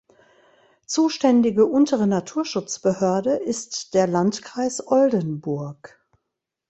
Zuständige untere Naturschutzbehörde ist der Landkreis Oldenburg.